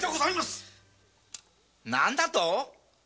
何だと？